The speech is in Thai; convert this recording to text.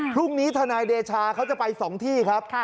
พรุ่งนี้ธนาคมเดชาเขาจะไป๒ที่ครับ